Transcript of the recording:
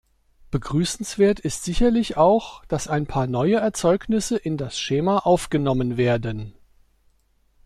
Begrüßenswert ist sicherlich auch, dass ein paar neue Erzeugnisse in das Schema aufgenommen werden.